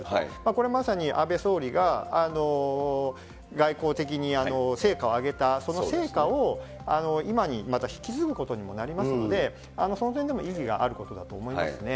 これまさに、安倍総理が外交的に成果を上げた、その成果を今にまた引き継ぐことにもなりますので、その点でも意義があると思いますね。